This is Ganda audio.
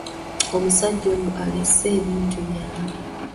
Omusajja oyo aleese ebintu byange?